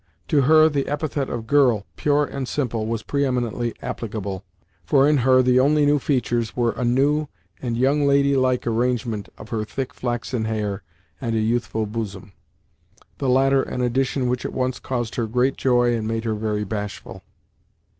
To her, the epithet of "girl," pure and simple, was pre eminently applicable, for in her the only new features were a new and "young lady like" arrangement of her thick flaxen hair and a youthful bosom—the latter an addition which at once caused her great joy and made her very bashful.